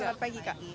selamat pagi kak